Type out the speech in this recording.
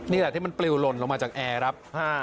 นี่แหละที่มันปลิวหล่นลงมาจากแอร์ครับ